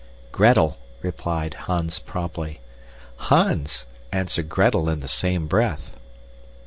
"Gretel," replied Hans promptly. "Hans," answered Gretel in the same breath.